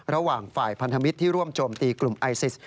ระหว่างฝ่ายพันธมิตรที่ร่วมโจมตีกลุ่มไอซิส